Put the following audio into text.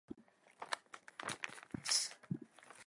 Teams receive one point for a win, and no points for a loss.